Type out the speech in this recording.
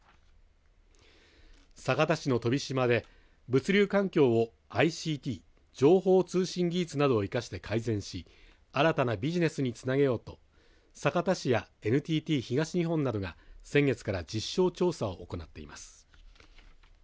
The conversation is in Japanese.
酒田市の飛島で物流環境、ＩＣＴ情報通信技術などを生かして改善し新たなビジネスにつなげようと酒田市やＮＴＴ東日本などが先月から実証調査を行っています。